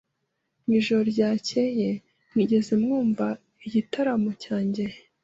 Mwijoro ryakeye mwigeze mwumva igitaramo cyanjye?